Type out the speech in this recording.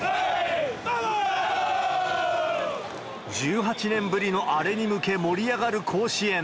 １８年ぶりのアレに向け、盛り上がる甲子園。